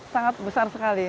sangat besar sekali